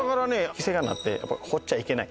規制がなって掘っちゃいけない